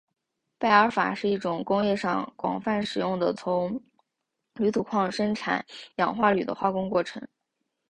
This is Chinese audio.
拜耳法是一种工业上广泛使用的从铝土矿生产氧化铝的化工过程。